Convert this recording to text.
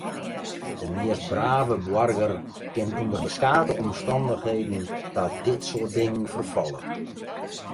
De meast brave boarger kin ûnder beskate omstannichheden ta dit soart dingen ferfalle.